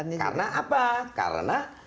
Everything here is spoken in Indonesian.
karena mereka juga memiliki keuntungan